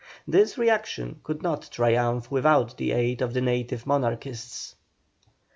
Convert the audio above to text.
This reaction could not triumph without the aid of the native Monarchists.